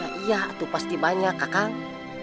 ya iya itu pasti banyak kakak